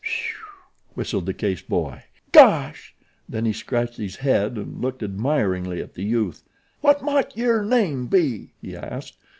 "Whew," whistled the Case boy. "Gosh!" Then he scratched his head and looked admiringly at the youth. "What mought yer name be?" he asked.